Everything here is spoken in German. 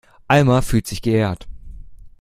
Alma fühlt sich geehrt.